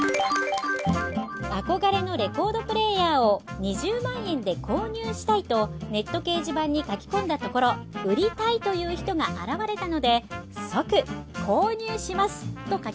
憧れのレコードプレーヤーを２０万円で購入したいとネット掲示板に書き込んだところ売りたいという人が現れたので即「購入します！」と書き込みました。